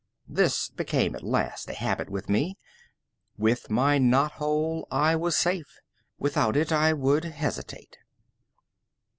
This became at last a habit with me. With my knot hole I was safe, without it I would hesitate.